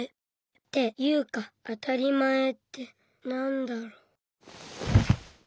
っていうか「あたりまえ」ってなんだろ。